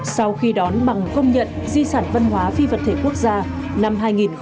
sau khi đón bằng công nhận di sản văn hóa phi vật thể quốc gia năm hai nghìn một mươi